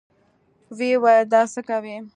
ويې ويل دا څه کوې.